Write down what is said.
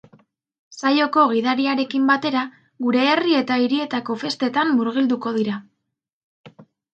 Saioko gidariarekin batera, gure herri eta hirietako festetan murgilduko dira.